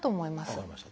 分かりました。